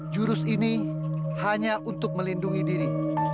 jurus ini hanya untuk melindungi diri